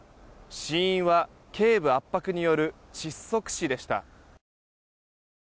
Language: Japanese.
死因は頸部圧迫による窒息死でした。